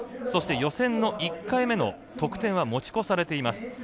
予選の１回目の得点は持ち越されています。